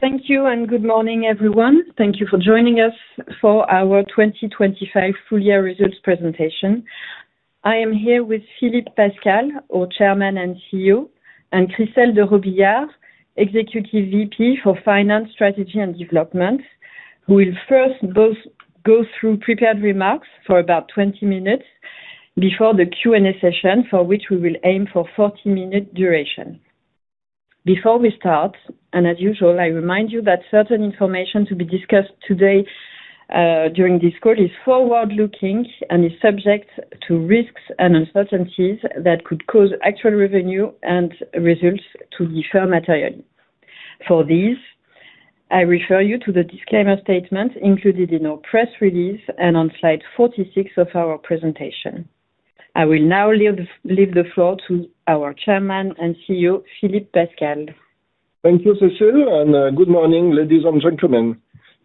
Thank you and good morning, everyone. Thank you for joining us for our 2025 full year results presentation. I am here with Philippe Pascal, our Chairman and CEO, and Christelle de Robillard, Executive VP for Finance, Strategy, and Development, who will first both go through prepared remarks for about 20 minutes before the Q&A session, for which we will aim for 40-minute duration. Before we start, and as usual, I remind you that certain information to be discussed today, during this call is forward-looking and is subject to risks and uncertainties that could cause actual revenue and results to differ materially. For these, I refer you to the disclaimer statement included in our press release and on slide 46 of our presentation. I will now leave the floor to our Chairman and CEO, Philippe Pascal. Thank you, Cécile, and good morning, ladies and gentlemen.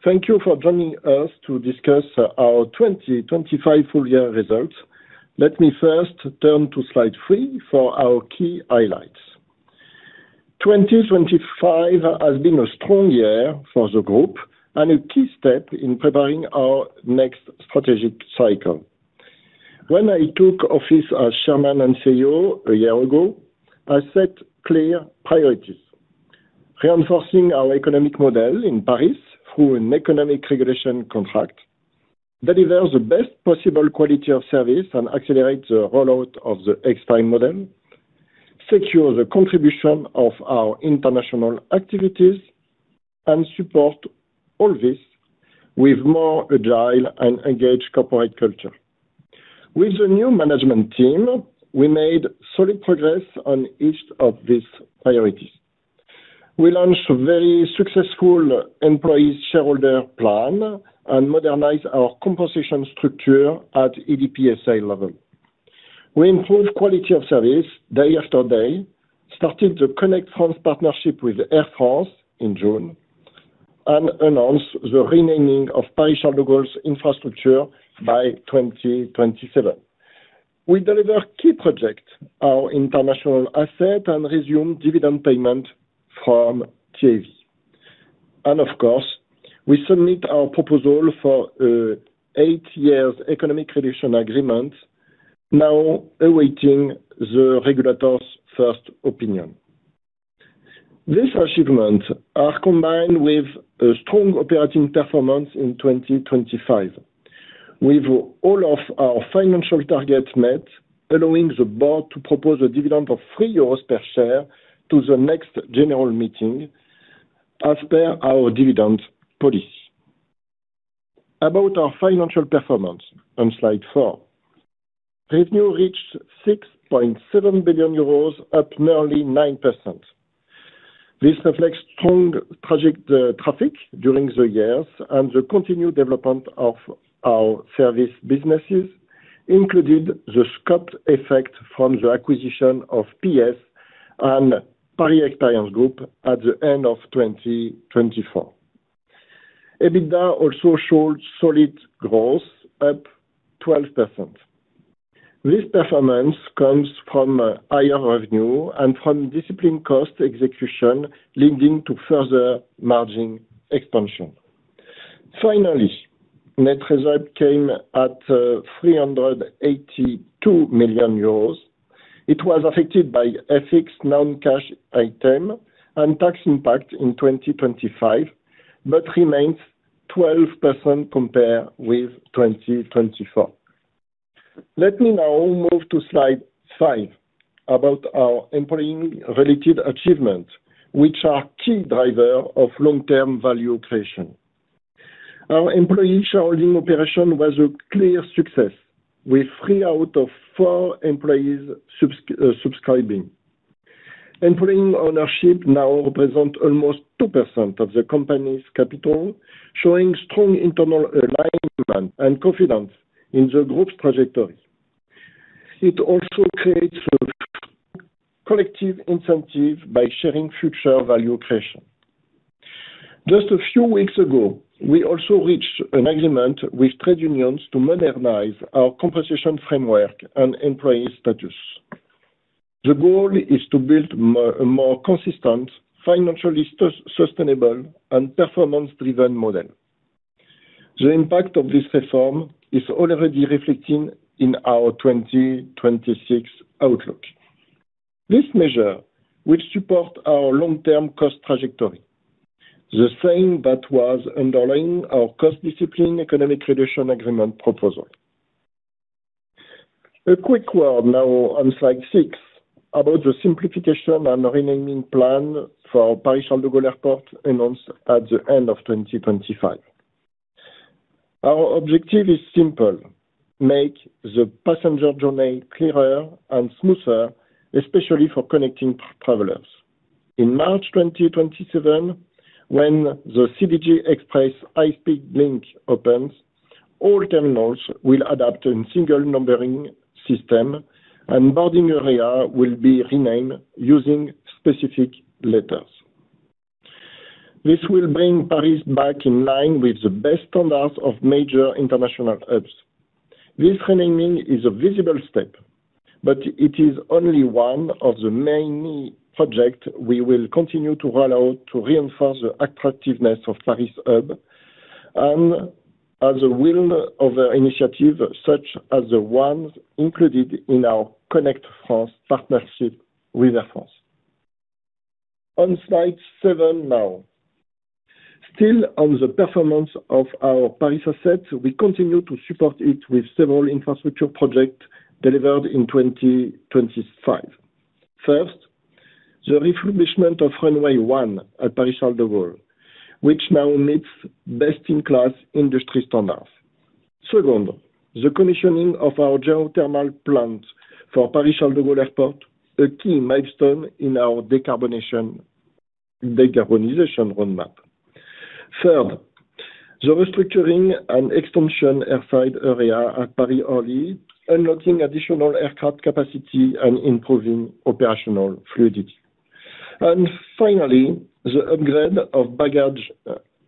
Thank you for joining us to discuss our 2025 full year results. Let me first turn to slide 3 for our key highlights. 2025 has been a strong year for the group and a key step in preparing our next strategic cycle. When I took office as Chairman and CEO a year ago, I set clear priorities: reinforcing our economic model in Paris through an economic regulation contract, deliver the best possible quality of service, and accelerate the rollout of the Extime model, secure the contribution of our international activities, and support all this with more agile and engaged corporate culture. With the new management team, we made solid progress on each of these priorities. We launched a very successful employee shareholder plan and modernized our compensation structure at ADP SA level. We improved quality of service day after day, started the Connect France partnership with Air France in June, and announced the renaming of Paris-Charles de Gaulle's infrastructure by 2027. We deliver key project, our international asset, and resume dividend payment from JV. And of course, we submit our proposal for 8 years economic regulation agreement, now awaiting the regulator's first opinion. These achievements are combined with a strong operating performance in 2025, with all of our financial targets met, allowing the board to propose a dividend of 3 euros per share to the next general meeting, as per our dividend policy. About our financial performance on slide 4. Revenue reached 6.7 billion euros, up nearly 9%. This reflects strong project traffic during the years and the continued development of our service businesses, including the scope effect from the acquisition of PS and Paris Experience Group at the end of 2024. EBITDA also showed solid growth, up 12%. This performance comes from a higher revenue and from disciplined cost execution, leading to further margin expansion. Finally, net reserve came at 382 million euros. It was affected by FX non-cash item and tax impact in 2025, but remains 12% compared with 2024. Let me now move to slide 5 about our employee-related achievements, which are key driver of long-term value creation. Our employee sharing operation was a clear success, with three out of four employees subscribing. Employee ownership now represent almost 2% of the company's capital, showing strong internal alignment and confidence in the group's trajectory. It also creates a collective incentive by sharing future value creation. Just a few weeks ago, we also reached an agreement with trade unions to modernize our compensation framework and employee status. The goal is to build a more consistent, financially sustainable, and performance-driven model. The impact of this reform is already reflected in our 2026 outlook. This measure will support our long-term cost trajectory, the same that was underlying our cost discipline economic reduction agreement proposal. A quick word now on slide 6 about the simplification and renaming plan for Paris-Charles de Gaulle Airport, announced at the end of 2025. Our objective is simple: make the passenger journey clearer and smoother, especially for connecting travelers. In March 2027, when the CDG Express high-speed link opens, all terminals will adopt a single numbering system, and boarding area will be renamed using specific letters. This will bring Paris back in line with the best standards of major international hubs... This renaming is a visible step, but it is only one of the main project we will continue to roll out to reinforce the attractiveness of Paris Hub and as a wheel of an initiative, such as the ones included in our Connect France partnership with Air France. On slide 7 now. Still on the performance of our Paris assets, we continue to support it with several infrastructure projects delivered in 2025. First, the refurbishment of runway 1 at Paris-Charles de Gaulle, which now meets best-in-class industry standards. Second, the commissioning of our geothermal plant for Paris-Charles de Gaulle Airport, a key milestone in our decarbonation, decarbonization roadmap. Third, the restructuring and expansion airside area at Paris-Orly, unlocking additional aircraft capacity and improving operational fluidity. And finally, the upgrade of baggage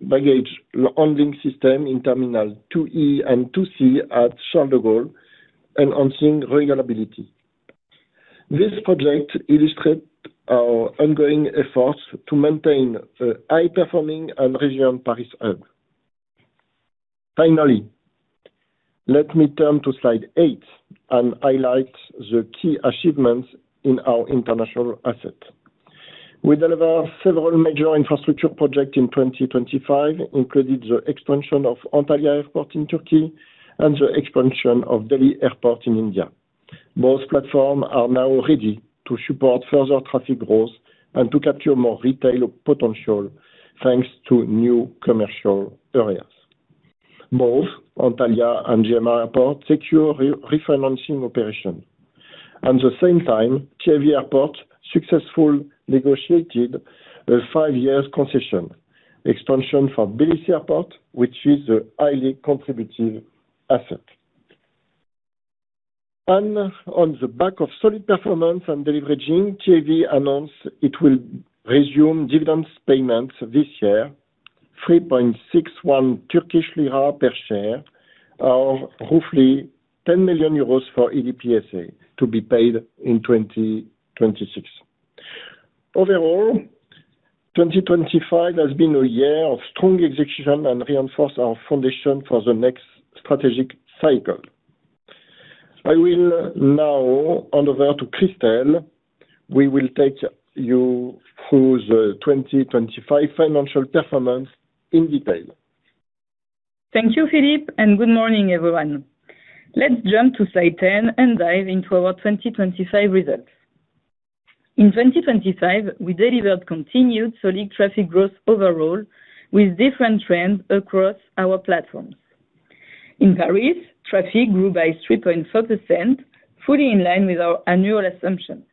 baggage handling system in Terminal 2E and 2C at Charles de Gaulle, enhancing reliability. This project illustrates our ongoing efforts to maintain a high-performing and resilient Paris Hub. Finally, let me turn to slide 8 and highlight the key achievements in our international assets. We delivered several major infrastructure projects in 2025, including the expansion of Antalya Airport in Turkey and the expansion of Delhi Airport in India. Both platforms are now ready to support further traffic growth and to capture more retail potential, thanks to new commercial areas. Both Antalya and GMR Airports secure refinancing operation. At the same time, TAV Airports successfully negotiated a five-year concession expansion for Tbilisi Airport, which is a highly contributive asset. On the back of solid performance and deleveraging, TAV announced it will resume dividends payments this year, 3.61 Turkish lira per share, or roughly 10 million euros for ADP SA, to be paid in 2026. Overall, 2025 has been a year of strong execution and reinforce our foundation for the next strategic cycle. I will now hand over to Christelle, who will take you through the 2025 financial performance in detail. Thank you, Philippe, and good morning, everyone. Let's jump to slide 10 and dive into our 2025 results. In 2025, we delivered continued solid traffic growth overall, with different trends across our platforms. In Paris, traffic grew by 3.4%, fully in line with our annual assumption.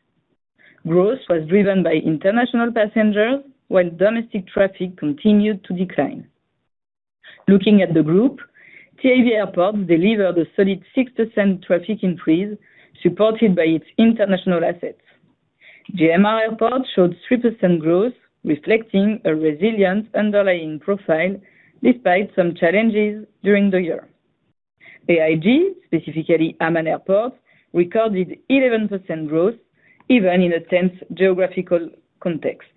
Growth was driven by international passengers, while domestic traffic continued to decline. Looking at the group, TAV Airports delivered a solid 6% traffic increase, supported by its international assets. GMR Airports showed 3% growth, reflecting a resilient underlying profile despite some challenges during the year. AIG, specifically Amman Airport, recorded 11% growth, even in a tense geographical context.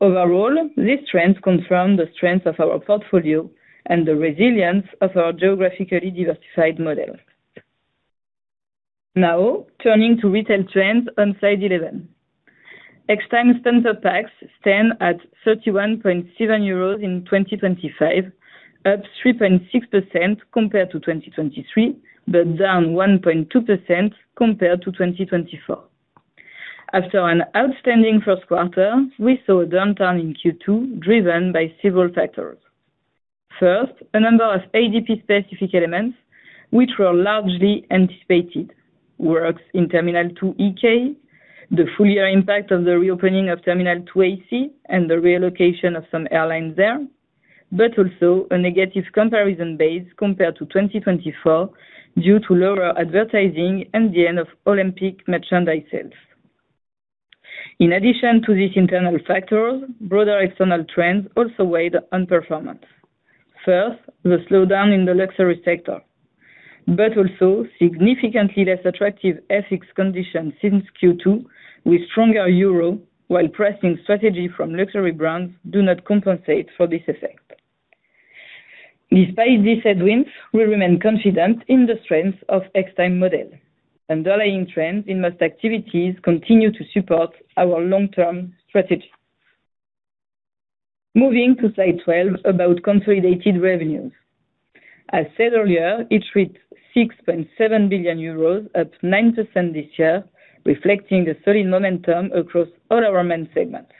Overall, these trends confirm the strength of our portfolio and the resilience of our geographically diversified model. Now, turning to retail trends on slide 11. Extime spend per pax stand at 31.7 euros in 2025, up 3.6% compared to 2023, but down 1.2% compared to 2024. After an outstanding first quarter, we saw a downturn in Q2, driven by several factors. First, a number of ADP-specific elements, which were largely anticipated, works in Terminal 2E Hall K, the full year impact of the reopening of Terminal 2 AC, and the relocation of some airlines there, but also a negative comparison base compared to 2024 due to lower advertising and the end of Olympic merchandise sales. In addition to these internal factors, broader external trends also weighed on performance. First, the slowdown in the luxury sector, but also significantly less attractive FX conditions since Q2, with stronger euro, while pricing strategy from luxury brands do not compensate for this effect. Despite these headwinds, we remain confident in the strength of Extime model, and underlying trends in most activities continue to support our long-term strategy. Moving to slide 12, about consolidated revenues. As said earlier, it reached 6.7 billion euros, up 9% this year, reflecting the solid momentum across all our main segments.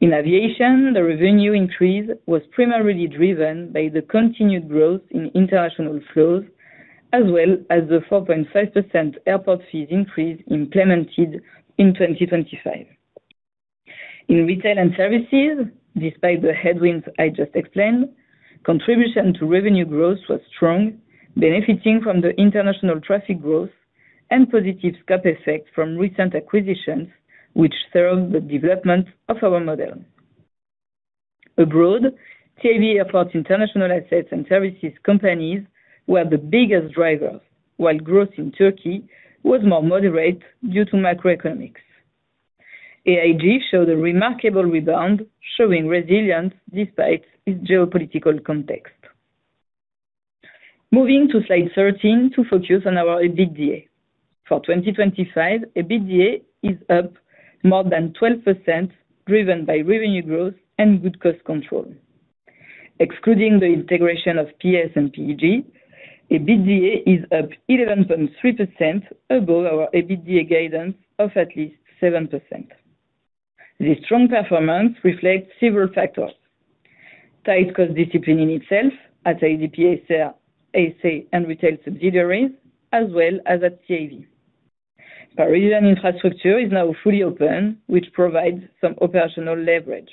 In aviation, the revenue increase was primarily driven by the continued growth in international flows, as well as the 4.5% airport fee increase implemented in 2025. In retail and services, despite the headwinds I just explained, contribution to revenue growth was strong, benefiting from the international traffic growth and positive scope effect from recent acquisitions, which serve the development of our model abroad. TAV Airports international assets and services companies were the biggest drivers, while growth in Turkey was more moderate due to macroeconomics. AIG showed a remarkable rebound, showing resilience despite its geopolitical context. Moving to slide 13 to focus on our EBITDA. For 2025, EBITDA is up more than 12%, driven by revenue growth and good cost control. Excluding the integration of PS and PEG, EBITDA is up 11.3% above our EBITDA guidance of at least 7%. This strong performance reflects several factors: tight cost discipline in itself at ADP, AC, and retail subsidiaries, as well as at TAV. Parisian infrastructure is now fully open, which provides some operational leverage.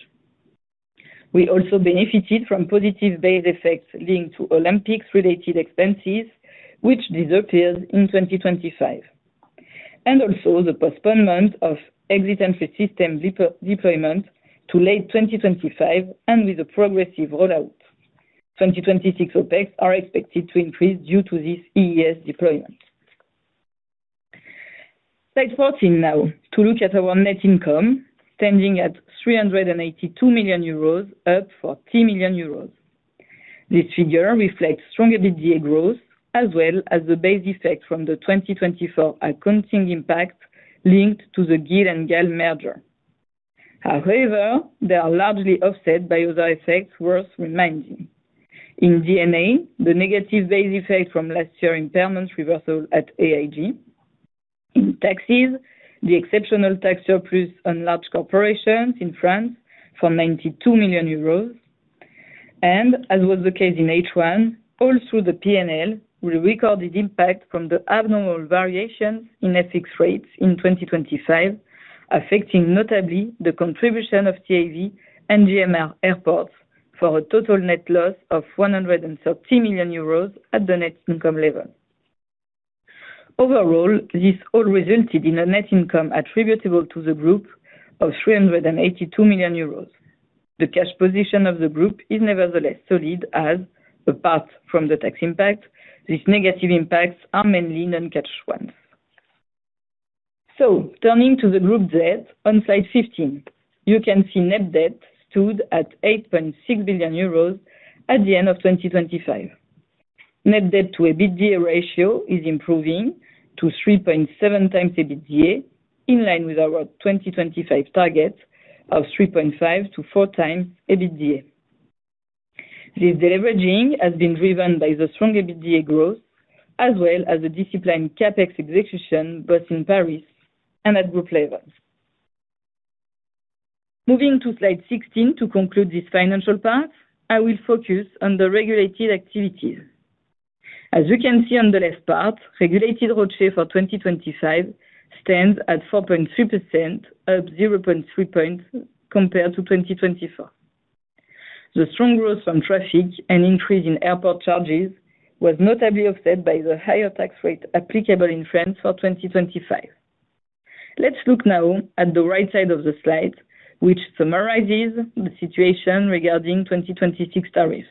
We also benefited from positive base effects linked to Olympics-related expenses, which disappeared in 2025, and also the postponement of EES deployment to late 2025, and with a progressive rollout. 2026 OpEx are expected to increase due to this EES deployment. Slide 14 now, to look at our net income, standing at 382 million euros, up for 3 million euros. This figure reflects strong EBITDA growth, as well as the base effect from the 2024 accounting impact linked to the GIL and GAL merger. However, they are largely offset by other effects worth reminding. In D&A, the negative base effect from last year's impairment reversal at AIG. In taxes, the exceptional tax surplus on large corporations in France for 92 million euros, and as was the case in H1, all through the P&L, we recorded impact from the abnormal variations in FX rates in 2025, affecting notably the contribution of TAV and GMR airports for a total net loss of 130 million euros at the net income level. Overall, this all resulted in a net income attributable to the group of 382 million euros. The cash position of the group is nevertheless solid, as apart from the tax impact, these negative impacts are mainly non-cash ones. So turning to the group debt on slide 15, you can see net debt stood at 8.6 billion euros at the end of 2025. Net debt to EBITDA ratio is improving to 3.7x EBITDA, in line with our 2025 target of 3.5x-4x EBITDA. This deleveraging has been driven by the strong EBITDA growth, as well as a disciplined CapEx execution, both in Paris and at group levels. Moving to slide 16 to conclude this financial part, I will focus on the regulated activities. As you can see on the left part, regulated ROCE for 2025 stands at 4.3%, up 0.3 points compared to 2024. The strong growth on traffic and increase in airport charges was notably offset by the higher tax rate applicable in France for 2025. Let's look now at the right side of the slide, which summarizes the situation regarding 2026 tariffs.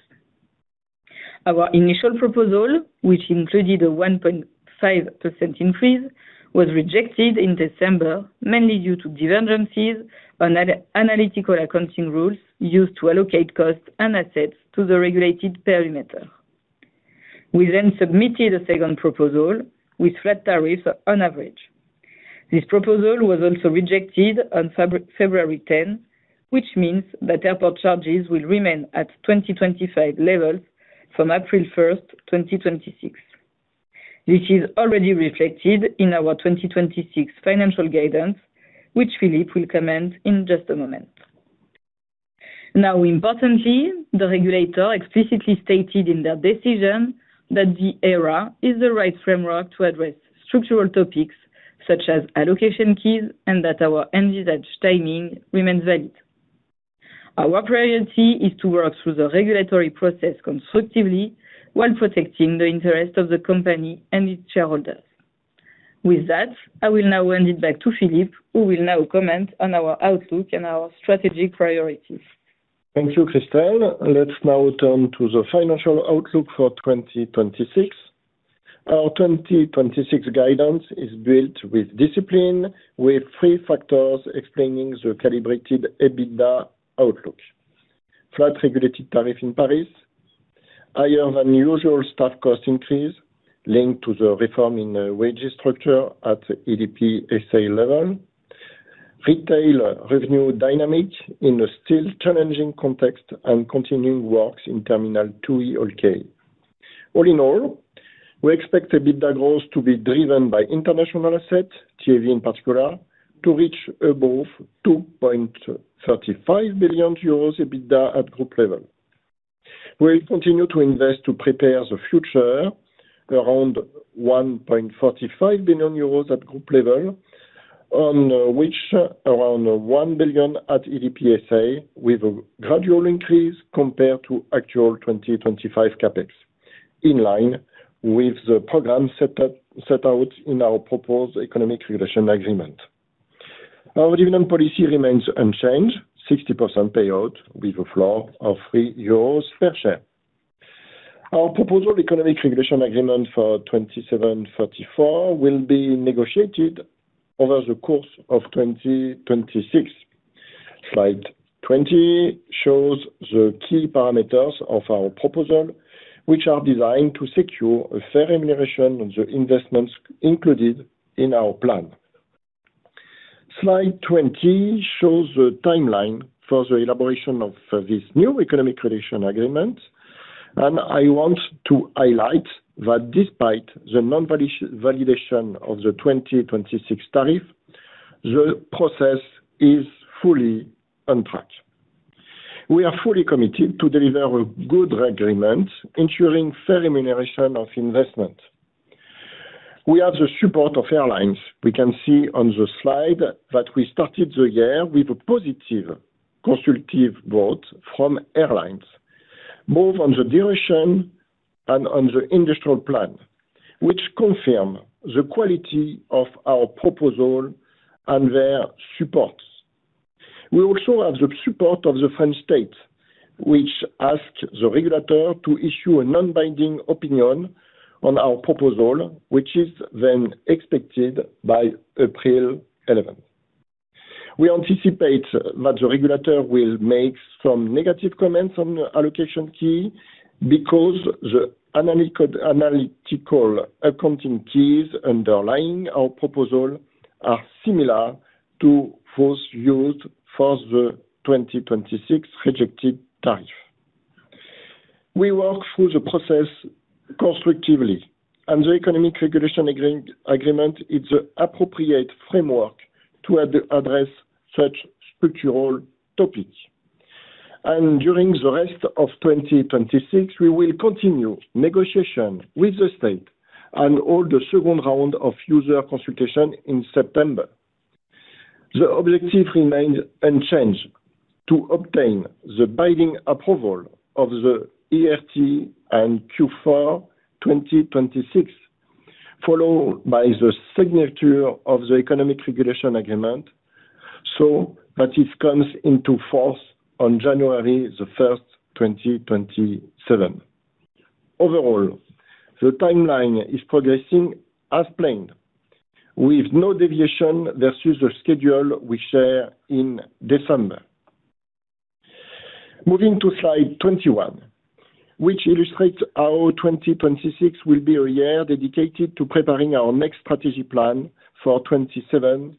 Our initial proposal, which included a 1.5% increase, was rejected in December, mainly due to divergences on analytical accounting rules used to allocate costs and assets to the regulated perimeter. We then submitted a second proposal with flat tariffs on average. This proposal was also rejected on February 10, which means that airport charges will remain at 2025 levels from April 1, 2026. This is already reflected in our 2026 financial guidance, which Philippe will comment on in just a moment. Now, importantly, the regulator explicitly stated in their decision that the ERA is the right framework to address structural topics such as allocation keys, and that our envisaged timing remains valid. Our priority is to work through the regulatory process constructively while protecting the interest of the company and its shareholders. With that, I will now hand it back to Philippe, who will now comment on our outlook and our strategic priorities. Thank you, Christelle. Let's now turn to the financial outlook for 2026. Our 2026 guidance is built with discipline, with three factors explaining the calibrated EBITDA outlook. Flat regulated tariff in Paris, higher than usual staff cost increase linked to the reform in the wage structure at ADP SA level, retail revenue dynamics in a still challenging context, and continuing works in Terminal 2 at Orly. All in all, we expect EBITDA growth to be driven by international assets, TAV in particular, to reach above 2.35 billion euros EBITDA at group level. We'll continue to invest to prepare the future, around 1.45 billion euros at group level, on which around 1 billion at ADP SA, with a gradual increase compared to actual 2025 CapEx in line with the program set up, set out in our proposed economic regulation agreement. Our dividend policy remains unchanged, 60% payout with a floor of 3 euros per share. Our proposal economic regulation agreement for 2027-2044 will be negotiated over the course of 2026. Slide 20 shows the key parameters of our proposal, which are designed to secure a fair remuneration on the investments included in our plan. Slide 20 shows the timeline for the elaboration of this new economic regulation agreement, and I want to highlight that despite the non-validation of the 2026 tariff, the process is fully on track. We are fully committed to deliver a good agreement, ensuring fair remuneration of investment. We have the support of airlines. We can see on the slide that we started the year with a positive constructive vote from airlines, both on the duration and on the industrial plan, which confirm the quality of our proposal and their supports. We also have the support of the French state, which asked the regulator to issue a non-binding opinion on our proposal, which is then expected by April 11. We anticipate that the regulator will make some negative comments on the allocation key, because the analytical accounting keys underlying our proposal are similar to those used for the 2026 rejected tariff. We work through the process constructively, and the economic regulation agreement is the appropriate framework to address such structural topics. And during the rest of 2026, we will continue negotiation with the state and hold the second round of user consultation in September. The objective remains unchanged: to obtain the binding approval of the ERA in Q4 2026, followed by the signature of the economic regulation agreement, so that it comes into force on January 1, 2027. Overall, the timeline is progressing as planned, with no deviation versus the schedule we share in December. Moving to slide 21, which illustrates how 2026 will be a year dedicated to preparing our next strategy plan for 2027,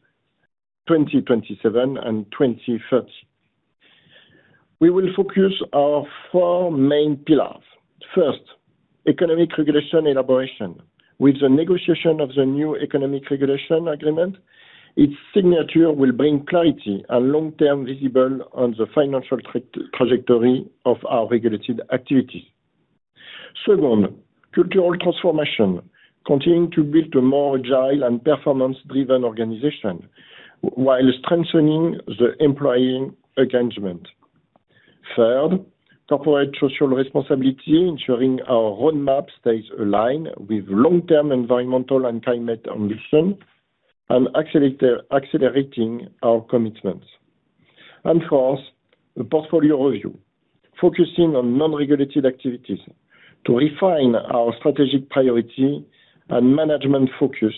2027 and 2030. We will focus on four main pillars. First, economic regulation elaboration. With the negotiation of the new economic regulation agreement, its signature will bring clarity and long-term visibility on the financial trajectory of our regulated activities. Second, cultural transformation, continuing to build a more agile and performance-driven organization while strengthening the employee engagement. Third, corporate social responsibility, ensuring our roadmap stays aligned with long-term environmental and climate ambition, and accelerating our commitments. And fourth, a portfolio review, focusing on non-regulated activities to refine our strategic priority and management focus,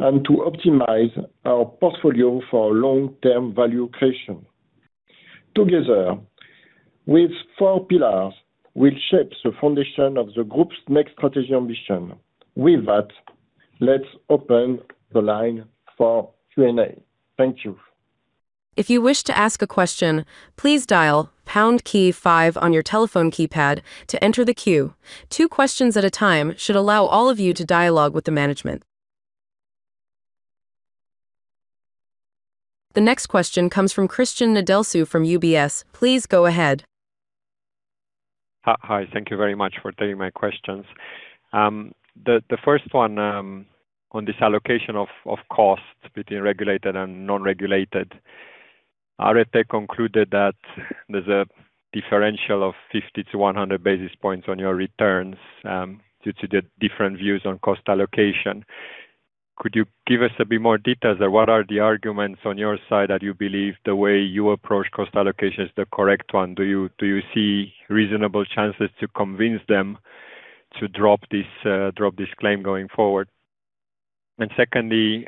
and to optimize our portfolio for long-term value creation. Together, with four pillars, we'll shape the foundation of the Groupe's next strategy ambition. With that, let's open the line for Q&A. Thank you. If you wish to ask a question, please dial pound key five on your telephone keypad to enter the queue. Two questions at a time should allow all of you to dialogue with the management. The next question comes from Cristian Nedelcu from UBS. Please go ahead. Hi. Thank you very much for taking my questions. The first one, on this allocation of costs between regulated and non-regulated. Are they concluded that there's a differential of 50-100 basis points on your returns, due to the different views on cost allocation? Could you give us a bit more details on what are the arguments on your side that you believe the way you approach cost allocation is the correct one? Do you see reasonable chances to convince them to drop this claim going forward? Secondly,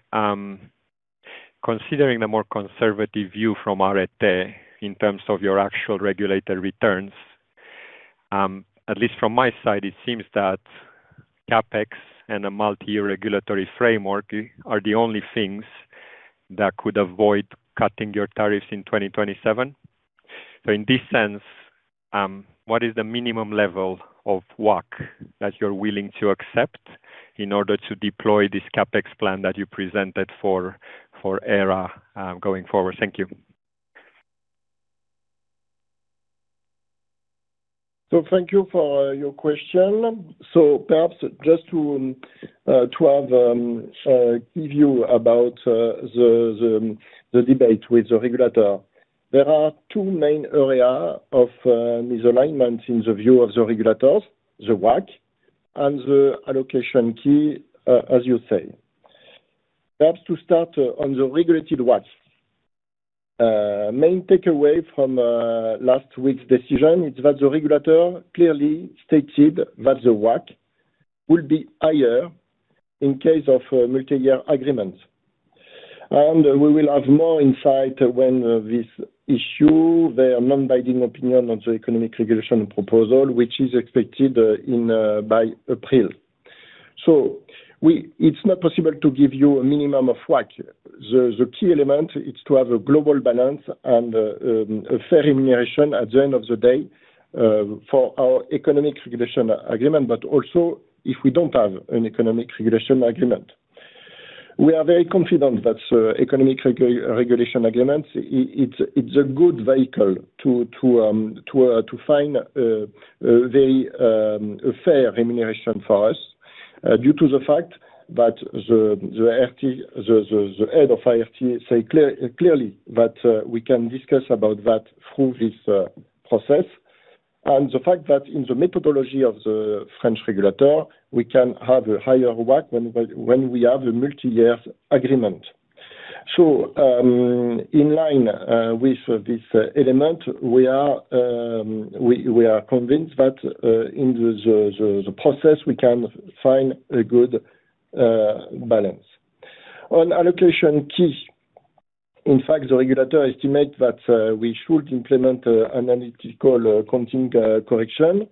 considering the more conservative view from ART in terms of your actual regulator returns, at least from my side, it seems that CapEx and a multi-year regulatory framework are the only things that could avoid cutting your tariffs in 2027. In this sense, what is the minimum level of WACC that you're willing to accept in order to deploy this CapEx plan that you presented for ERA, going forward? Thank you. So thank you for your question. So perhaps just to give you about the debate with the regulator. There are two main area of misalignment in the view of the regulators, the WACC and the allocation key, as you say. Perhaps to start on the regulated WACCs. Main takeaway from last week's decision is that the regulator clearly stated that the WACC will be higher in case of a multi-year agreement. And we will have more insight when they issue their non-binding opinion on the economic regulation proposal, which is expected by April. So it's not possible to give you a minimum of WACC. The key element is to have a global balance and a fair remuneration at the end of the day for our economic regulation agreement, but also if we don't have an economic regulation agreement. We are very confident that economic regulation agreement, it's a good vehicle to find a fair remuneration for us due to the fact that the ART, the head of ART says clearly that we can discuss about that through this process. And the fact that in the methodology of the French regulator, we can have a higher WACC when we have a multi-year agreement. So, in line with this element, we are convinced that in the process, we can find a good balance. On allocation key, in fact, the regulator estimates that we should implement analytical accounting correction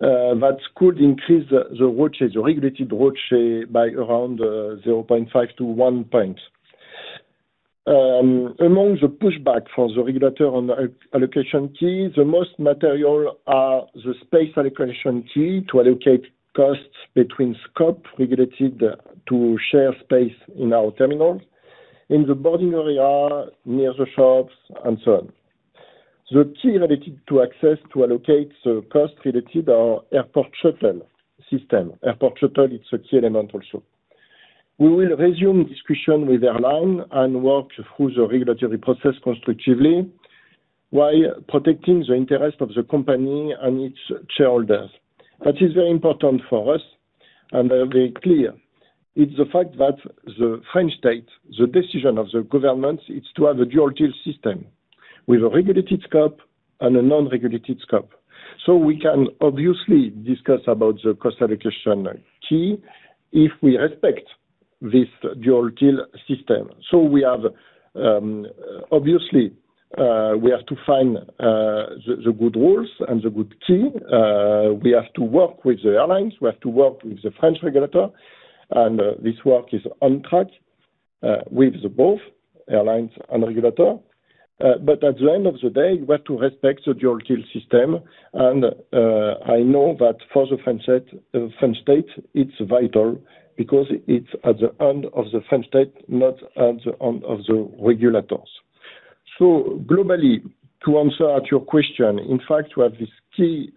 that could increase the RAB, the regulated RAB by around 0.5 to 1 point. Among the pushback from the regulator on the allocation key, the most material are the space allocation key to allocate costs between regulated scope to share space in our terminals, in the boarding area, near the shops, and so on. The key related to access to allocate the costs related to airport shuttle system. Airport shuttle, it's a key element also. We will resume discussion with airline and work through the regulatory process constructively, while protecting the interest of the company and its shareholders. That is very important for us, and I'm very clear. It's the fact that the French state, the decision of the government, is to have a dual-tier system with a regulated scope and a non-regulated scope. So we can obviously discuss about the cost allocation key if we respect this dual-tier system. So we have, obviously, we have to find, the, the good rules and the good key. We have to work with the airlines, we have to work with the French regulator, and, this work is on track, with the both airlines and regulator. But at the end of the day, we have to respect the dual-tier system, and I know that for the French state, French state, it's vital because it's at the end of the French state, not at the end of the regulators. So globally, to answer your question, in fact, we have this key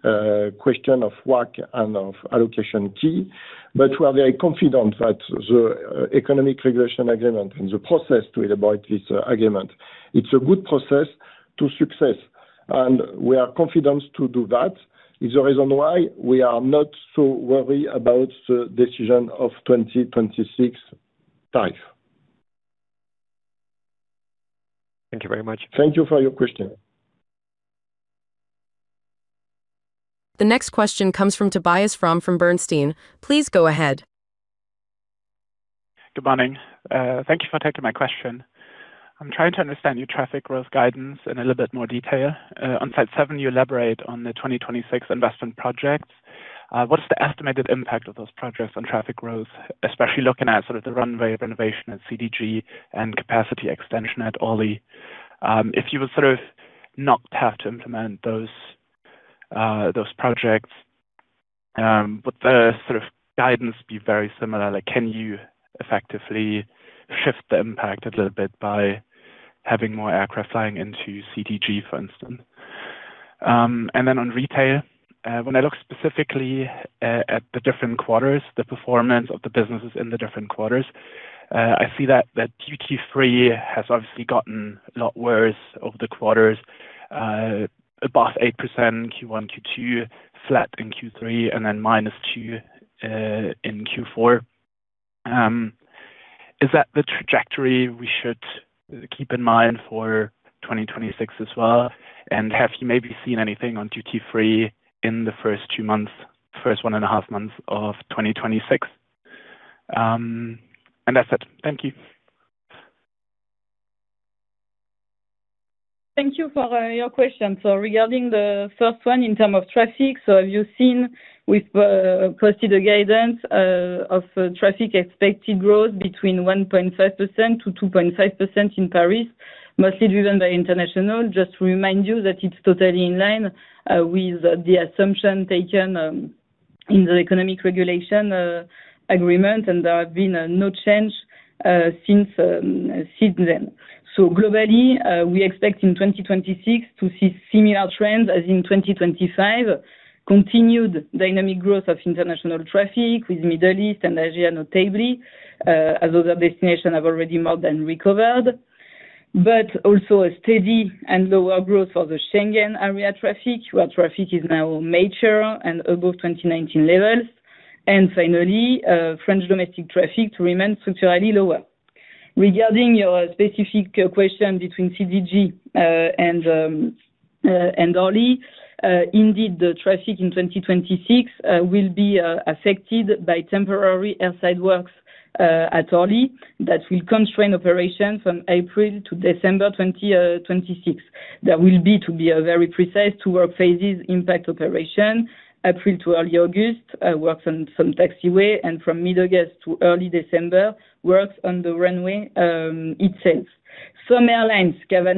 question of WACC and of allocation key, but we are very confident that the economic regulation agreement and the process to elaborate this agreement, it's a good process to success, and we are confident to do that. It's the reason why we are not so worried about the decision of 2026 time. Thank you very much. Thank you for your question. The next question comes from Tobias Fromme from Bernstein. Please go ahead. Good morning. Thank you for taking my question. I'm trying to understand your traffic growth guidance in a little bit more detail. On slide seven, you elaborate on the 2026 investment projects. What is the estimated impact of those projects on traffic growth, especially looking at sort of the runway renovation at CDG and capacity extension at Orly? If you would sort of not have to implement those projects, would the sort of guidance be very similar? Like, can you effectively shift the impact a little bit by having more aircraft flying into CDG, for instance? And then on retail, when I look specifically at the different quarters, the performance of the businesses in the different quarters, I see that duty-free has obviously gotten a lot worse over the quarters, above 8% in Q1, Q2, flat in Q3, and then -2% in Q4. Is that the trajectory we should keep in mind for 2026 as well? And have you maybe seen anything on duty-free in the first 2 months, first 1.5 months of 2026? And that's it. Thank you. Thank you for your question. So regarding the first one, in terms of traffic, so have you seen with posted a guidance of traffic expected growth between 1.5%-2.5% in Paris, mostly driven by international? Just to remind you that it's totally in line with the assumption taken in the economic regulation agreement, and there have been no change since then. So globally, we expect in 2026 to see similar trends as in 2025. Continued dynamic growth of international traffic with Middle East and Asia, notably, as other destinations have already more than recovered... but also a steady and lower growth for the Schengen area traffic, where traffic is now mature and above 2019 levels. And finally, French domestic traffic remains structurally lower. Regarding your specific question between CDG and Orly, indeed, the traffic in 2026 will be affected by temporary airside works at Orly. That will constrain operations from April to December 2026. There will be, to be very precise, two work phases impact operation. April to early August, works on some taxiway, and from mid-August to early December, works on the runway itself. Some airlines have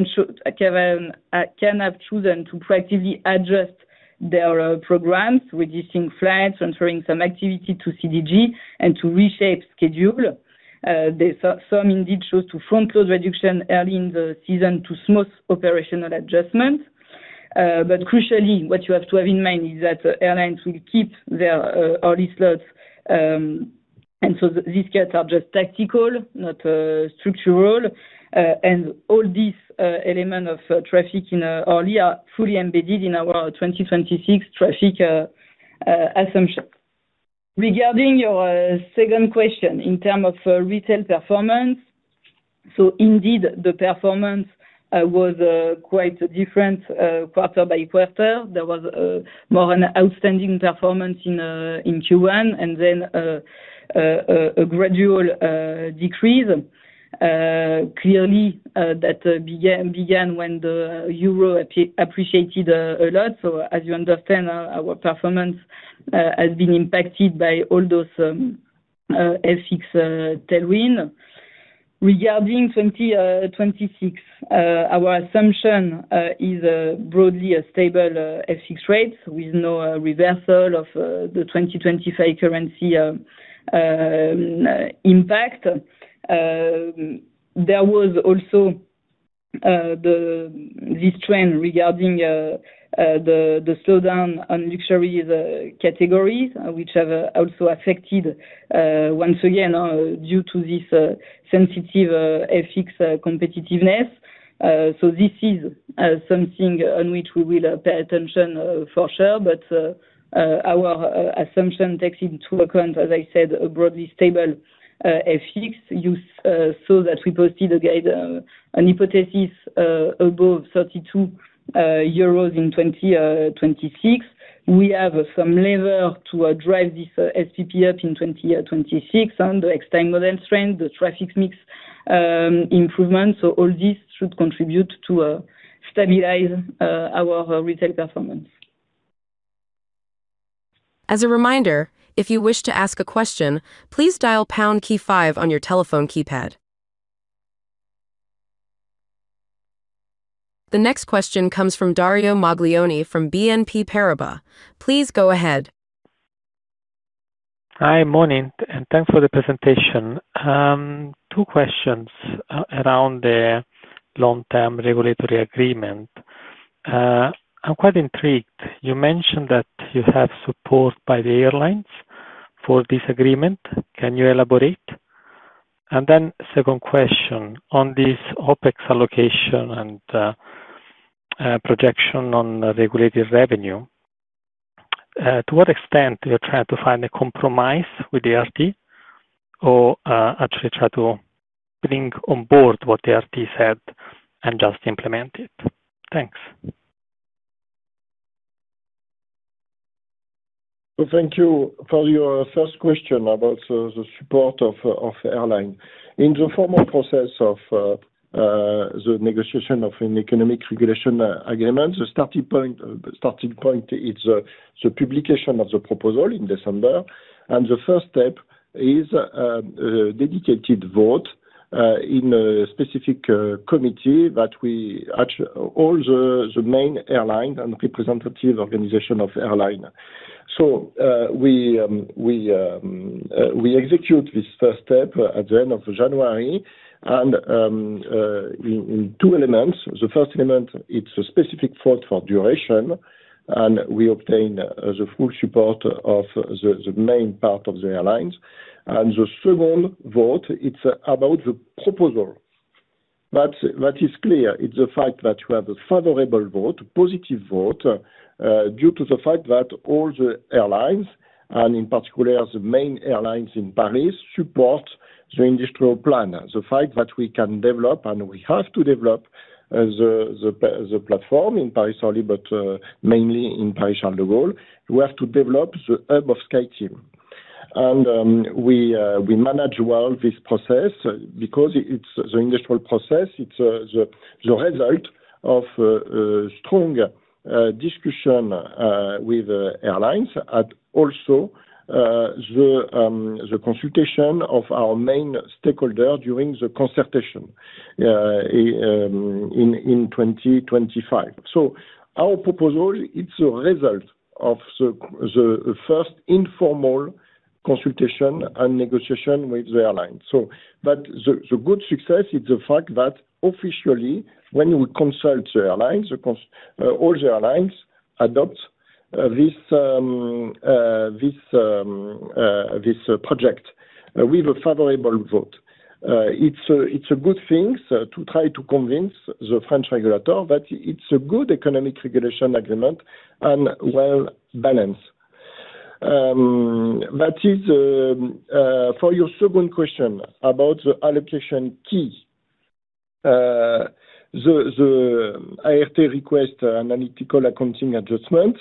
chosen to proactively adjust their programs, reducing flights, transferring some activity to CDG and to reshape schedule. Indeed chose to front load reduction early in the season to smooth operational adjustments. But crucially, what you have to have in mind is that airlines will keep their early slots. And so these cuts are just tactical, not structural. And all these element of traffic in Orly are fully embedded in our 2026 traffic assumption. Regarding your second question, in term of retail performance, so indeed, the performance was quite different quarter by quarter. There was more an outstanding performance in Q1, and then a gradual decrease. Clearly, that began when the euro appreciated a lot. So as you understand, our performance has been impacted by all those FX tailwind. Regarding 2026, our assumption is broadly a stable FX rate, with no reversal of the 2025 currency impact. There was also this trend regarding the slowdown on luxury categories, which have also affected once again due to this sensitive FX competitiveness. So this is something on which we will pay attention for sure, but our assumption takes into account, as I said, a broadly stable FX use. So that we posted a guide an hypothesis above 32 euros in 2026. We have some lever to drive this SPP up in 2026, and the external trend, the traffic mix improvement. So all this should contribute to stabilize our retail performance. As a reminder, if you wish to ask a question, please dial pound key five on your telephone keypad. The next question comes from Dario Maglione from BNP Paribas. Please go ahead. Hi, morning, and thanks for the presentation. Two questions around the long-term regulatory agreement. I'm quite intrigued. You mentioned that you have support by the airlines for this agreement. Can you elaborate? And then second question, on this OpEx allocation and projection on regulated revenue, to what extent you're trying to find a compromise with the RT or actually try to bring on board what the RT said and just implement it? Thanks. So thank you for your first question about the support of the airline. In the formal process of the negotiation of an economic regulation agreement, the starting point is the publication of the proposal in December. And the first step is dedicated vote in a specific committee that we actually all the main airline and representative organization of airline. So we execute this first step at the end of January and in two elements. The first element, it's a specific vote for duration, and we obtain the full support of the main part of the airlines. And the second vote, it's about the proposal. But what is clear is the fact that you have a favorable vote, a positive vote, due to the fact that all the airlines, and in particular, the main airlines in Paris, support the industrial plan. The fact that we can develop, and we have to develop, the platform in Paris-Orly, but mainly in Paris-Charles de Gaulle, we have to develop the hub of SkyTeam. We manage well this process, because it's the industrial process. It's the result of strong discussion with airlines and also the consultation of our main stakeholder during the consultation in 2025. So our proposal, it's a result of the first informal consultation and negotiation with the airline. But the good success is the fact that officially, when we consult the airlines, of course, all the airlines adopt this project with a favorable vote. It's a good thing, so to try to convince the French regulator that it's a good economic regulation agreement and well balanced. That is, for your second question about the allocation key, the IRT request analytical accounting adjustment,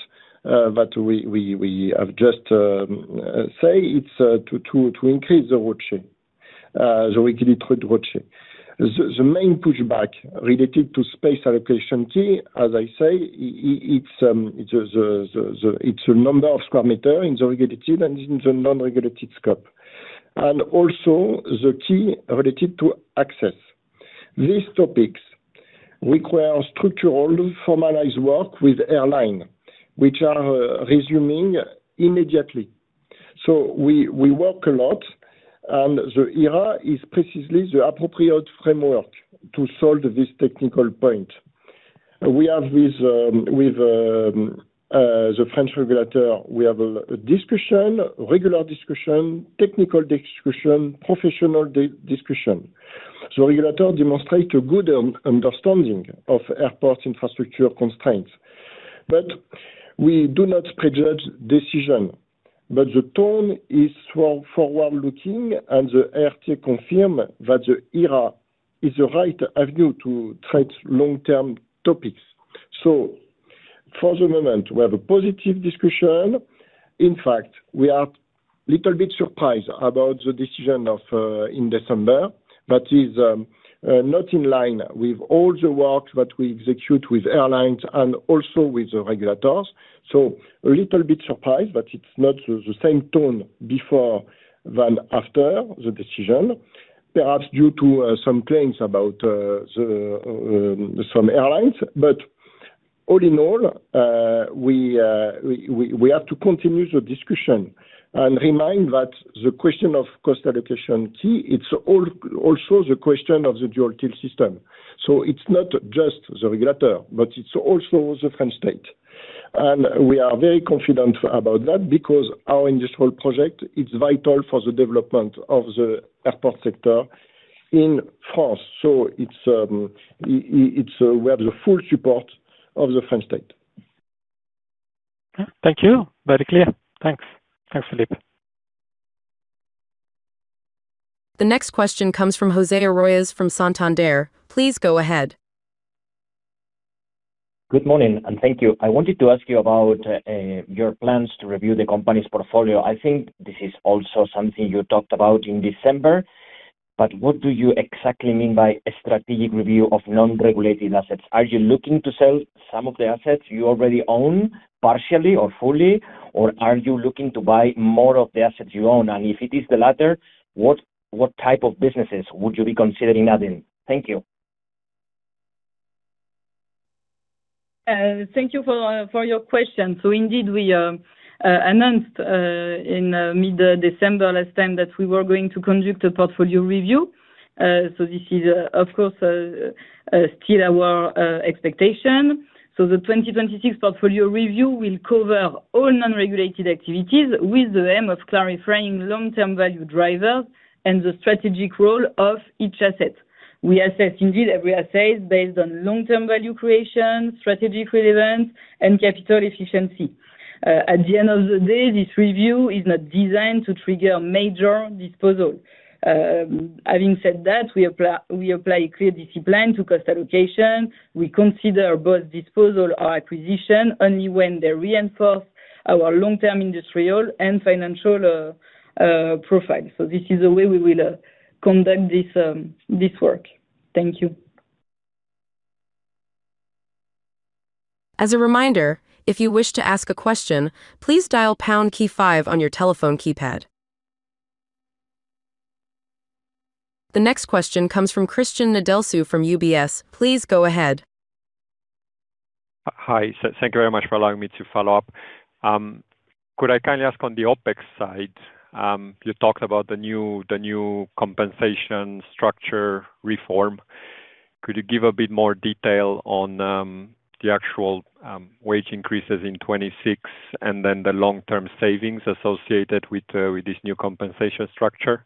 that we have just say it's to increase the ROCE, the regulated ROCE. The main pushback related to space allocation key, as I say, it's the, it's a number of square meter in the regulated and in the non-regulated scope, and also the key related to access. These topics require structural formalized work with airline, which are resuming immediately. So we work a lot, and the ERA is precisely the appropriate framework to solve this technical point. We have this with the French regulator. We have a regular discussion, technical discussion, professional discussion. The regulator demonstrate a good understanding of airport infrastructure constraints, but we do not prejudge decision. But the tone is strong, forward-looking, and the ART confirm that the ERA is the right avenue to treat long-term topics. So for the moment, we have a positive discussion. In fact, we are a little bit surprised about the decision in December, but is not in line with all the work that we execute with airlines and also with the regulators. So a little bit surprised, but it's not the same tone before than after the decision. Perhaps due to some claims about some airlines. But all in all, we have to continue the discussion and remind that the question of cost allocation key, it's also the question of the dual till system. So it's not just the regulator, but it's also the French state. And we are very confident about that because our industrial project is vital for the development of the airport sector in France. So it's we have the full support of the French state. Thank you. Very clear. Thanks. Thanks, Philippe. The next question comes from José Arroyas from Santander. Please go ahead. Good morning, and thank you. I wanted to ask you about your plans to review the company's portfolio. I think this is also something you talked about in December, but what do you exactly mean by a strategic review of non-regulated assets? Are you looking to sell some of the assets you already own, partially or fully? Or are you looking to buy more of the assets you own? If it is the latter, what type of businesses would you be considering adding? Thank you. Thank you for your question. So indeed, we announced in mid-December last time that we were going to conduct a portfolio review. So this is, of course, still our expectation. So the 2026 portfolio review will cover all non-regulated activities with the aim of clarifying long-term value drivers and the strategic role of each asset. We assess, indeed, every asset based on long-term value creation, strategic relevance, and capital efficiency. At the end of the day, this review is not designed to trigger a major disposal. Having said that, we apply clear discipline to cost allocation. We consider both disposal or acquisition only when they reinforce our long-term industrial and financial profile. So this is the way we will conduct this work. Thank you. As a reminder, if you wish to ask a question, please dial pound key five on your telephone keypad. The next question comes from Cristian Nedelcu from UBS. Please go ahead. Hi, so thank you very much for allowing me to follow up. Could I kindly ask on the OpEx side, you talked about the new compensation structure reform. Could you give a bit more detail on the actual wage increases in 2026, and then the long-term savings associated with this new compensation structure?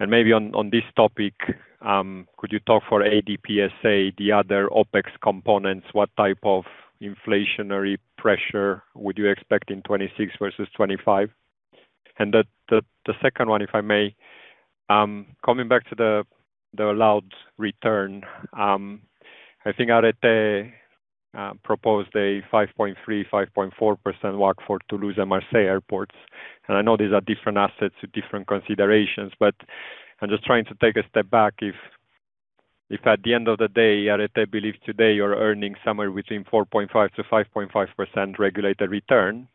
And maybe on this topic, could you talk for ADPSA, the other OpEx components, what type of inflationary pressure would you expect in 2026 versus 2025? And the second one, if I may, coming back to the allowed return, I think ART proposed a 5.3%-5.4% WACC for Toulouse and Marseille airports. I know these are different assets with different considerations, but I'm just trying to take a step back if at the end of the day, ART believes today you're earning somewhere between 4.5%-5.5% regulated return,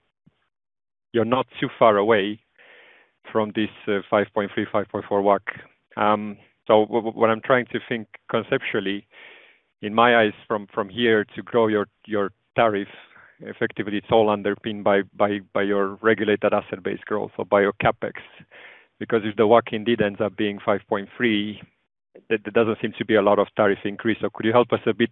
you're not too far away from this 5.3-5.4 WACC. So what I'm trying to think conceptually, in my eyes, from here, to grow your tariffs, effectively, it's all underpinned by your regulated asset base growth or by your CapEx.... Because if the WACC indeed ends up being 5.3, that doesn't seem to be a lot of tariff increase. So could you help us a bit?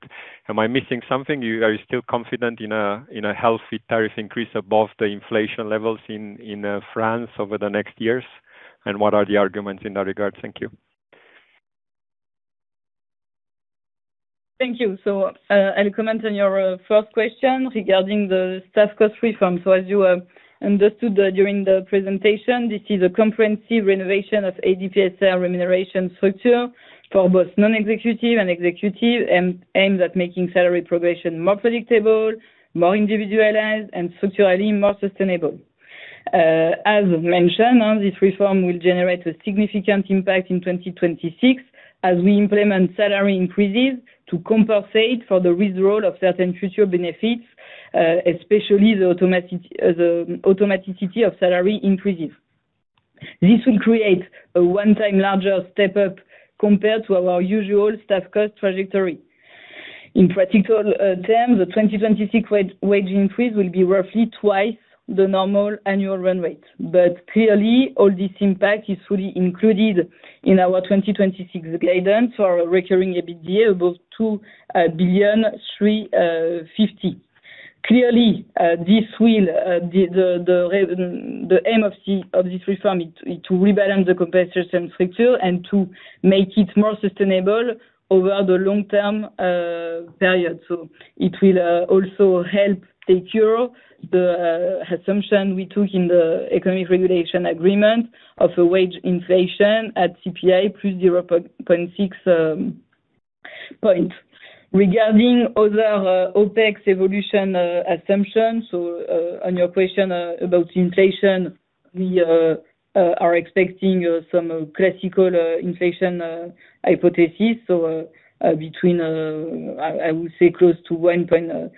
Am I missing something? You, are you still confident in a, in a healthy tariff increase above the inflation levels in France over the next years? And what are the arguments in that regard? Thank you. Thank you. I'll comment on your first question regarding the staff cost reform. As you understood, during the presentation, this is a comprehensive renovation of ADPSL remuneration structure for both non-executive and executive, and aims at making salary progression more predictable, more individualized, and structurally more sustainable. As mentioned, this reform will generate a significant impact in 2026, as we implement salary increases to compensate for the withdrawal of certain future benefits, especially the automaticity of salary increases. This will create a one-time larger step-up compared to our usual staff cost trajectory. In practical terms, the 2026 wage increase will be roughly twice the normal annual run rate. But clearly, all this impact is fully included in our 2026 guidance for recurring EBITDA above 2.35 billion. Clearly, this will, the aim of this reform is to rebalance the competitive structure and to make it more sustainable over the long term, period. So it will also help secure the assumption we took in the economic regulation agreement of a wage inflation at CPI plus 0.6 point. Regarding other OpEx evolution assumptions, so on your question about inflation, we are expecting some classical inflation hypothesis. So between, I would say close to 1.5%,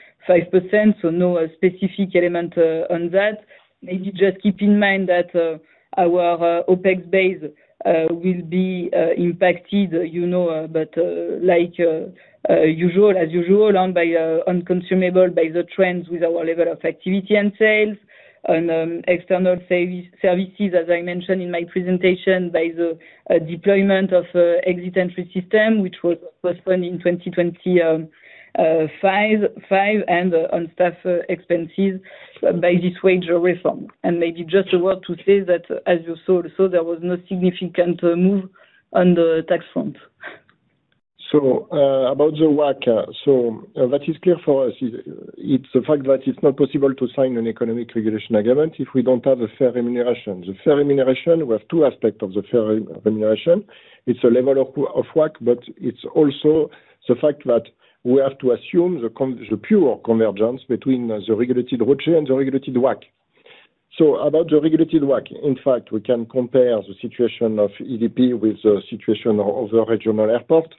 so no specific element on that. Maybe just keep in mind that our OpEx base will be impacted, you know, but like usual, as usual, on consumables by the trends with our level of activity and sales, and external services, as I mentioned in my presentation, by the deployment of the Entry/Exit System, which was postponed in 2025, and on staff expenses by this wage reform. Maybe just a word to say that, as you saw, so there was no significant move on the tax front. So, about the WACC. So, what is clear for us is it's the fact that it's not possible to sign an economic regulation agreement if we don't have a fair remuneration. The fair remuneration, we have two aspects of the fair remuneration. It's a level of WACC, but it's also the fact that we have to assume the pure convergence between the regulated ROCE and the regulated WACC. So about the regulated WACC, in fact, we can compare the situation of ADP with the situation of the regional airport.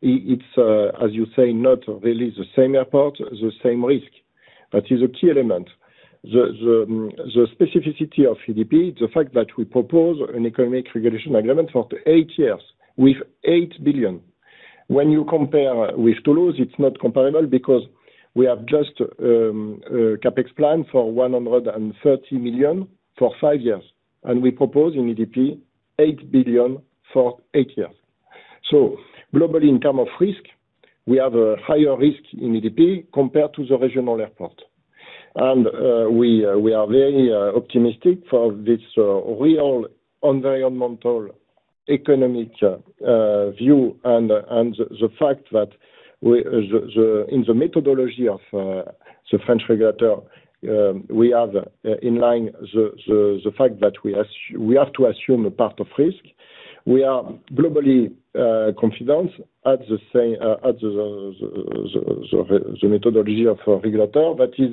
It's, as you say, not really the same airport, the same risk. That is a key element. The specificity of ADP, the fact that we propose an economic regulation agreement for 8 years with 8 billion. When you compare with Toulouse, it's not comparable because we have just CapEx plan for 130 million for five years, and we propose in EDP, 8 billion for eight years. So globally, in term of risk, we have a higher risk in EDP compared to the regional airport. And we are very optimistic for this real environmental, economic view, and the fact that we, the, in the methodology of the French regulator, we have in line the fact that we have to assume a part of risk. We are globally confident at the same, at the methodology of regulator. That is,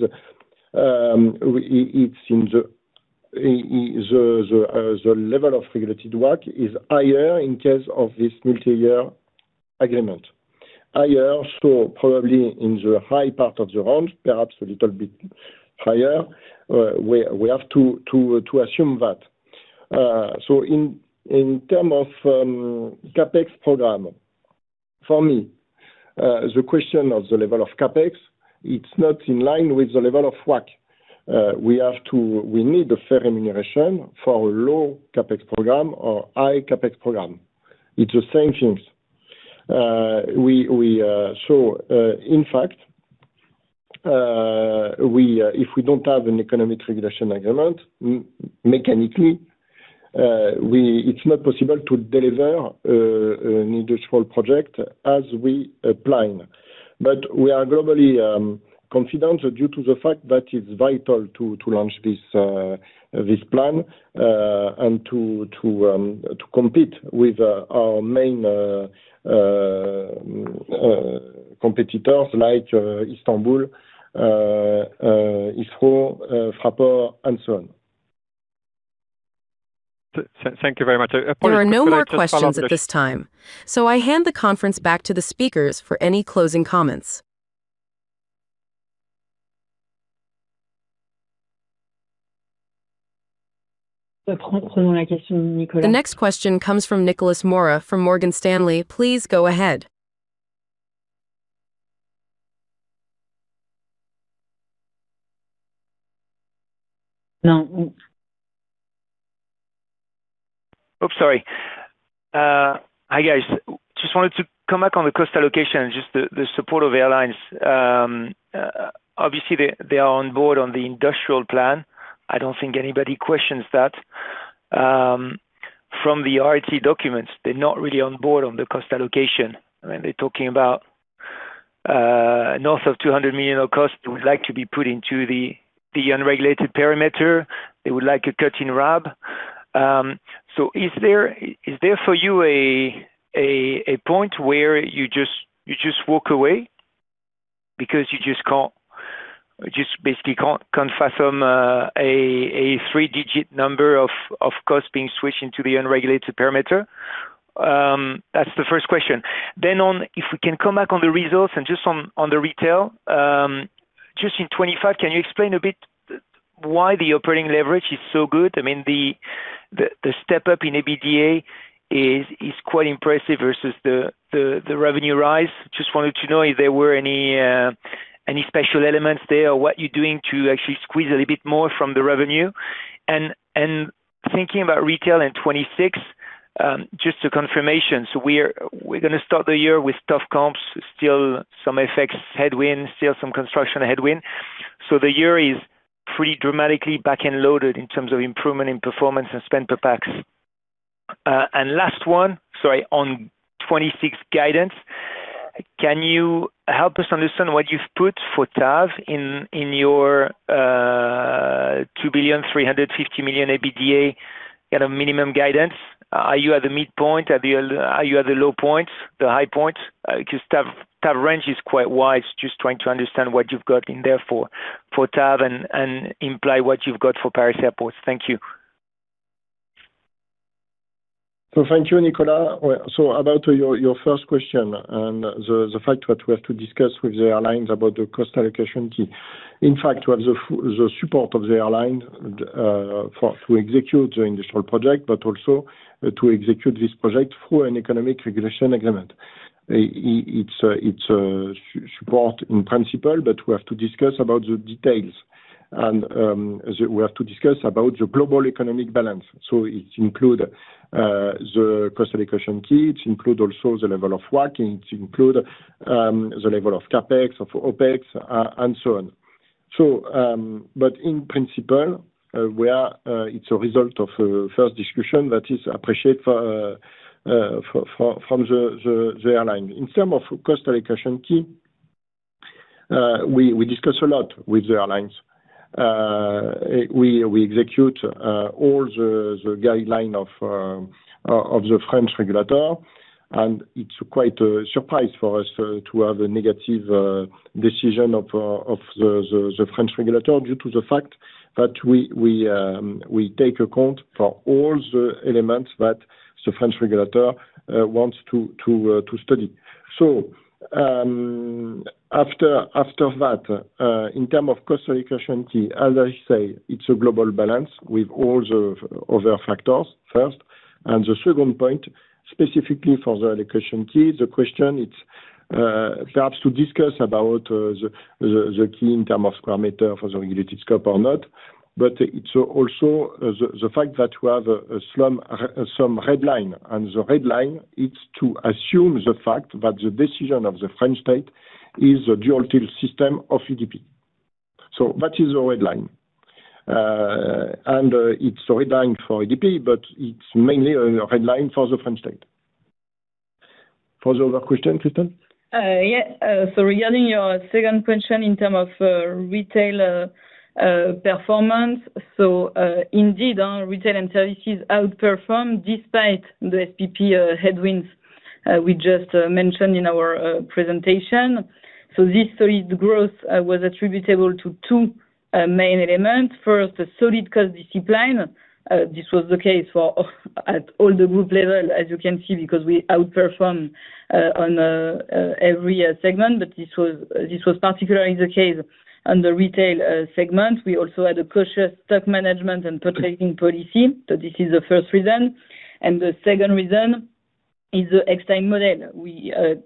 the level of regulated WACC is higher in case of this multi-year agreement. Higher, so probably in the high part of the range, perhaps a little bit higher, we have to assume that. So in terms of CapEx program, for me, the question of the level of CapEx, it's not in line with the level of WACC. We have to. We need a fair remuneration for low CapEx program or high CapEx program. It's the same things. So, in fact, if we don't have an economic regulation agreement, mechanically, it's not possible to deliver an industrial project as we plan. But we are globally confident due to the fact that it's vital to launch this plan and to compete with our main competitors like Istanbul, IGA, Fraport, and so on. Thank you very much. Apologies for the- There are no more questions at this time, so I hand the conference back to the speakers for any closing comments. The front row, my question, Nicolas. The next question comes from Nicolas Mora, from Morgan Stanley. Please go ahead.... No, Oops, sorry. Hi, guys. Just wanted to come back on the cost allocation and just the support of airlines. Obviously, they are on board on the industrial plan. I don't think anybody questions that. From the ART documents, they're not really on board on the cost allocation. I mean, they're talking about north of 200 million of costs that would like to be put into the unregulated perimeter. They would like a cut in RAB. So is there for you a point where you just walk away because you just can't basically can't fathom a three-digit number of costs being switched into the unregulated perimeter? That's the first question. Then, on—if we can come back on the results and just on the retail, just in 2025, can you explain a bit why the operating leverage is so good? I mean, the step up in EBITDA is quite impressive versus the revenue rise. Just wanted to know if there were any special elements there, or what you're doing to actually squeeze a little bit more from the revenue. And thinking about retail in 2026, just a confirmation. So we're gonna start the year with tough comps, still some FX headwind, still some construction headwind. So the year is pretty dramatically back-loaded in terms of improvement in performance and spend per pax. And last one, sorry, on 2026 guidance, can you help us understand what you've put for TAV in your 2.35 billion EBITDA at a minimum guidance? Are you at the midpoint? Are you at the low point, the high point? Because TAV range is quite wide. Just trying to understand what you've got in there for TAV and imply what you've got for Paris airports. Thank you. So thank you, Nicolas. Well, so about your first question and the fact what we have to discuss with the airlines about the cost allocation key. In fact, we have the support of the airline for to execute the industrial project, but also to execute this project for an Economic Regulation Agreement. It's a support in principle, but we have to discuss about the details, and we have to discuss about the global economic balance. So it include the cost allocation key, it include also the level of work, it include the level of CapEx, of OpEx, and so on. So, but in principle, it's a result of a first discussion that is appreciated from the airline. In terms of cost allocation key, we discuss a lot with the airlines. We execute all the guidelines of the French regulator, and it's quite a surprise for us to have a negative decision of the French regulator, due to the fact that we take account for all the elements that the French regulator wants to study. So, after that, in terms of cost allocation key, as I say, it's a global balance with all the other factors first. And the second point, specifically for the allocation key, the question it's perhaps to discuss about the key in term of square meter for the regulated scope or not, but it's also the fact that we have a strong red line, and the red line, it's to assume the fact that the decision of the French state is a dual till system of ADP. So that is the red line. And it's a red line for ADP, but it's mainly a red line for the French state. For the other question, Christelle? Yes, so regarding your second question in terms of retail performance, so indeed, our retail intelligence has outperformed despite the SPP headwinds we just mentioned in our presentation. So this solid growth was attributable to two main elements. First, a solid cost discipline. This was the case at all the group level, as you can see, because we outperformed on every segment, but this was particularly the case on the retail segment. We also had a cautious stock management and protection policy. So this is the first reason. And the second reason is the Extime model,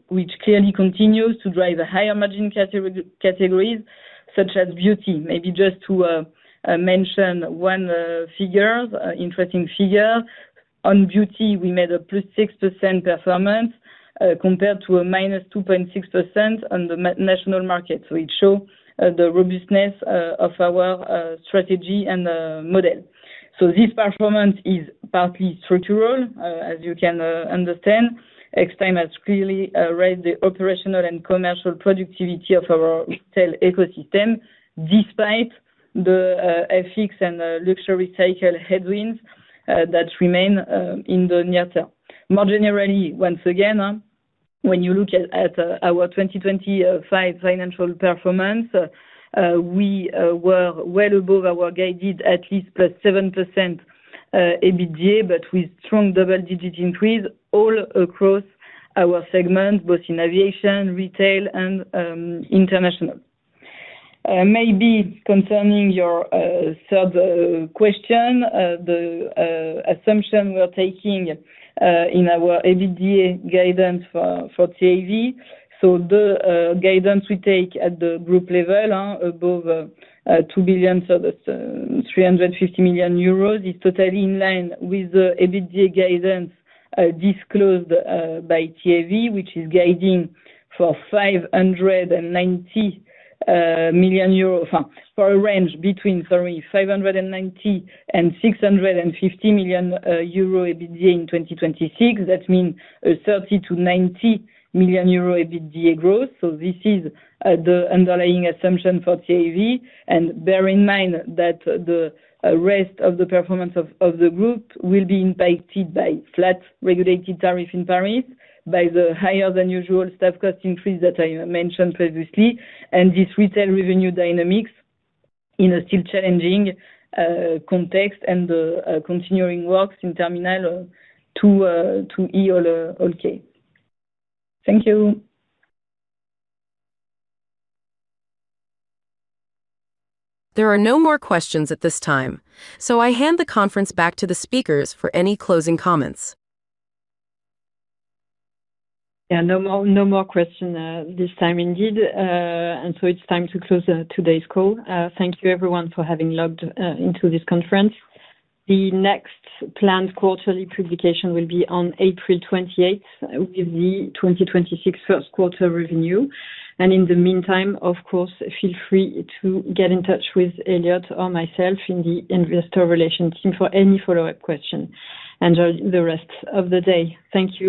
which clearly continues to drive higher margin categories, such as beauty. Maybe just to mention one interesting figure. On beauty, we made a +6% performance, compared to a -2.6% on the national market. So it shows the robustness of our strategy and model. So this performance is partly structural, as you can understand. Extime has clearly raised the operational and commercial productivity of our retail ecosystem, despite the FX and luxury cycle headwinds that remain in the near term. More generally, once again, when you look at our 2025 financial performance, we were well above our guided, at least +7% EBITDA, but with strong double-digit increase all across our segments, both in aviation, retail, and international. Maybe concerning your third question, the assumption we're taking in our EBITDA guidance for TAV. So the guidance we take at the group level above 2 billion, so that's 350 million euros, is totally in line with the EBITDA guidance disclosed by TAV, which is guiding for 590 million euros... For a range between, sorry, 590 million and 650 million euro EBITDA in 2026. That means 30-90 million euro EBITDA growth. So this is the underlying assumption for TAV. Bear in mind that the rest of the performance of the group will be impacted by flat regulated tariff in Paris, by the higher-than-usual staff cost increase that I mentioned previously, and this retail revenue dynamics in a still challenging context and continuing works in Terminal 2E, okay. Thank you. There are no more questions at this time, so I hand the conference back to the speakers for any closing comments. Yeah, no more, no more question, this time indeed. And so it's time to close, today's call. Thank you everyone for having logged, into this conference. The next planned quarterly publication will be on April 28, with the 2026 first quarter revenue. And in the meantime, of course, feel free to get in touch with Elliot or myself in the investor relations team for any follow-up question. Enjoy the rest of the day. Thank you.